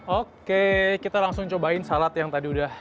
oke kita langsung cobain salad yang tadi udah